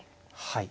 はい。